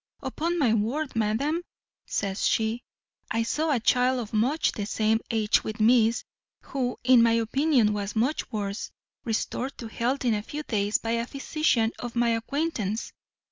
"Upon my word, madam," says she, "I saw a child of much the same age with miss, who, in my opinion, was much worse, restored to health in a few days by a physician of my acquaintance.